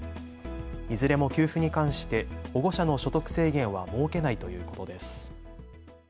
いずれも給付に関して保護者の所得制限は設けないということです。